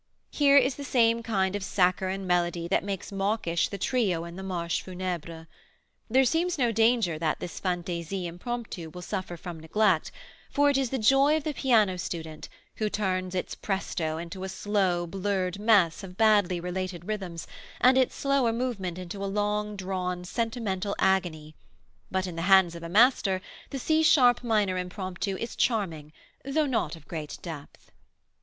Here is the same kind of saccharine melody that makes mawkish the trio in the "Marche Funebre." There seems no danger that this Fantaisie Impromptu will suffer from neglect, for it is the joy of the piano student, who turns its presto into a slow, blurred mess of badly related rhythms, and its slower movement into a long drawn sentimental agony; but in the hands of a master the C sharp minor Impromptu is charming, though not of great depth.